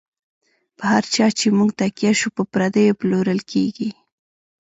په هر چا چی مو نږ تکیه شو، پر پردیو پلورل کیږی